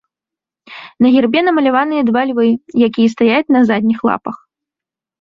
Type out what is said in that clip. На гербе намаляваныя два львы, якія стаяць на задніх лапах.